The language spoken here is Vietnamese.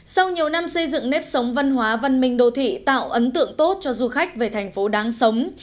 sau nhiều năm xây dựng nếp sống văn hóa văn minh đô thị tạo ấn tượng tốt cho du khách về thành phố đáng sống